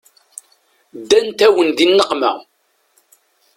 Ddant-awen di nneqma.